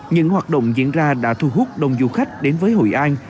những hoạt động diễn ra đã thu hút đông du khách đến với hội an